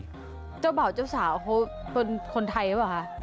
เจ้าบ่าวเจ้าสาวเขาเป็นคนไทยหรือเปล่าคะ